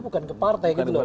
bukan ke partai gitu loh